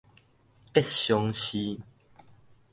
吉祥寺